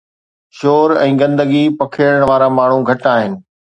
شور ۽ گندگي پکيڙڻ وارا ماڻهو گهٽ آهن